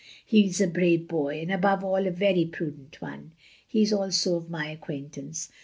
He is a brave boy, and above all a very prudent one. He is also of my acquaintance.